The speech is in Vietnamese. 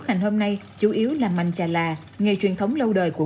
cái ngày đây là ngày tốt quá